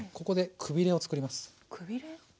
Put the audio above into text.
ここでくびれをつくります。